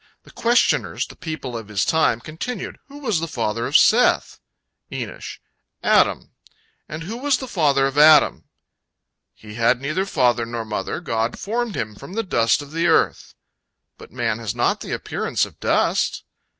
The questioners, the people of his time, continued: "Who was the father of Seth?" Enosh: "Adam."—"And who was the father of Adam?"—"He had neither father nor mother, God formed him from the dust of the earth."—"But man has not the appearance of dust!"